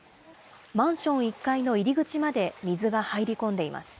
マンション１階の入り口まで水が入り込んでいます。